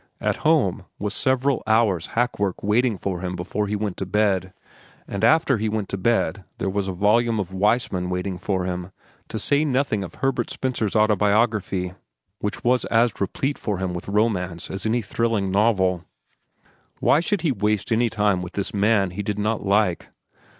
At home was several hours' hack work waiting for him before he went to bed, and after he went to bed there was a volume of Weismann waiting for him, to say nothing of Herbert Spencer's Autobiography, which was as replete for him with romance as any thrilling novel. Why should he waste any time with this man he did not like?